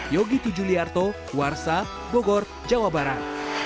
yogi tujuliarto warsa bogor jawa barat